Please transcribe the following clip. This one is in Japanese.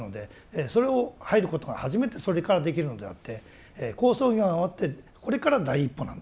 それを入ることが初めてそれからできるのであって好相行が終わってこれから第一歩なんですね。